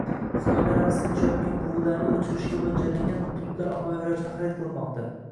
Xitoyda raqsga tushayotgan buvilarni o‘chirishga mo‘ljallangan pultlar ommaviy ravishda xarid qilinmoqda